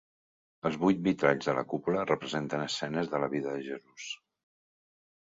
Els vuit vitralls de la cúpula representen escenes de la vida de Jesús.